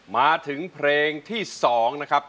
มาถึงเพลงที่๒นะครับ